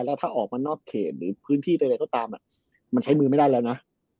แล้วถ้าออกมานอกเขตหรือพื้นที่ใดก็ตามมันใช้มือไม่ได้แล้วนะ